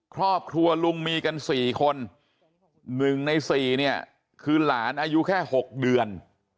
ครอบครัวลุงมีกัน๔คน๑ใน๔เนี่ยคือหลานอายุแค่๖เดือน